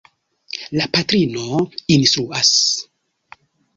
La patrino instruas.